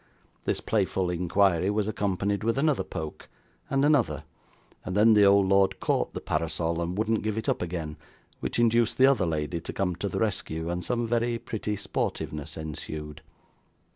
This playful inquiry was accompanied with another poke, and another, and then the old lord caught the parasol, and wouldn't give it up again, which induced the other lady to come to the rescue, and some very pretty sportiveness ensued.